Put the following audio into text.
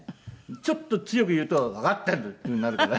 ちょっと強く言うと「わかったよ！」ってなるから。